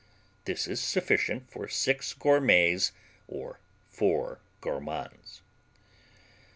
This is sufficient for six gourmets or four gourmands.